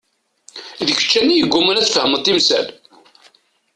D kečč kan i yegguman ad tfehmeḍ timsal.